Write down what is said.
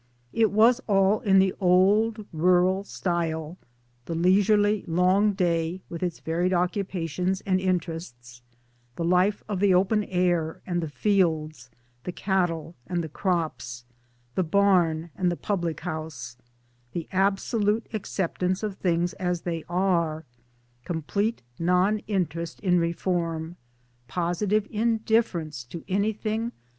It was all in the old rural style the leisurely long day with its varied occupations and interests, the life of the open air and the fields, the cattle and the crops, the barn and the public house ; the absolute accept ance of things as they are, complete non interest in 282 RURAL CONDITIONS [283; reform, positive indifference to anything!